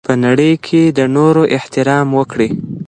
په نړۍ کي د نورو احترام وکړئ.